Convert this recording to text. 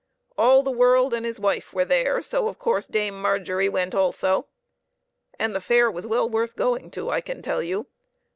All the world and his wife were there, so, of course, Dame Margery went also. And the fair was well worth going to, I can tell you